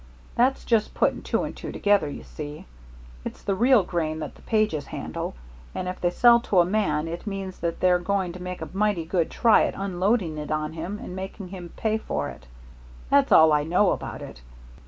That's just putting two and two together, you see. It's the real grain that the Pages handle, and if they sell to a man it means that they're going to make a mighty good try at unloading it on him and making him pay for it. That's all I know about it.